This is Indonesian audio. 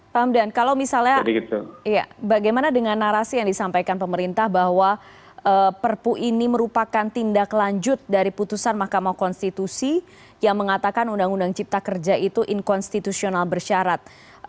pak hamdan kalau misalnya bagaimana dengan narasi yang disampaikan pemerintah bahwa perpu ini merupakan tindak lanjut dari putusan mahkamah konstitusi yang mengatakan undang undang cipta kerja itu inkonstitusional bersyarat